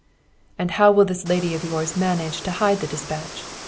"'And how will this lady of yours manage to hide the despatch?